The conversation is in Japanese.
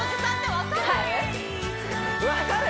分かる？